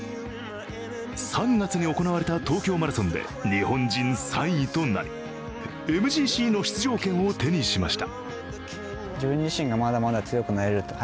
３月に行われた東京マラソンで日本人３位となり、ＭＧＣの出場権を手にしました。